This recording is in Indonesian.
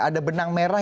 ada benang merah